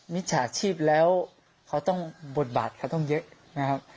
มิจฉาชีพแล้วเขาต้องบทบาทเขาต้องเยอะนะครับ